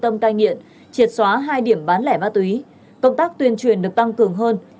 tâm cai nghiện triệt xóa hai điểm bán lẻ ma túy công tác tuyên truyền được tăng cường hơn